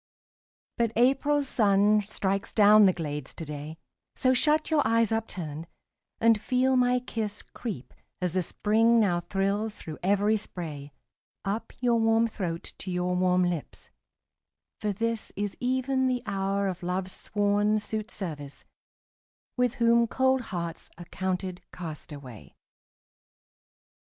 But April's sun strikes down the glades to day; So shut your eyes upturned, and feel my kiss Creep, as the Spring now thrills through every spray, Up your warm throat to your warm lips: for this Is even the hour of Love's sworn suitservice, With whom cold hearts are counted castaway.